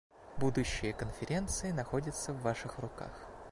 Будущее Конференции находится в ваших руках.